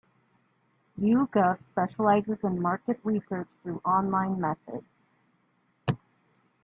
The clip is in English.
YouGov specialises in market research through online methods.